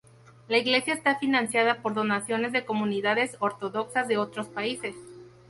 La iglesia está financiada por donaciones de comunidades ortodoxas de otros países.